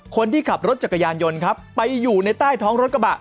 คนที่ขับรถจักรยานยนต์ครับไปอยู่ในใต้ท้องรถกระบะ